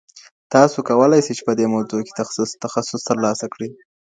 تاسو کولای سئ چي په دې موضوع کي تخصص ترلاسه کړئ.